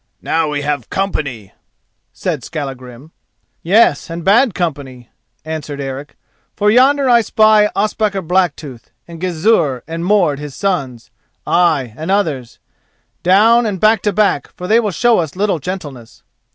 "Now we have company," said Skallagrim. "Yes, and bad company," answered Eric, "for yonder I spy Ospakar Blacktooth, and Gizur and Mord his sons, ay and others. Down, and back to back, for they will show us little gentleness."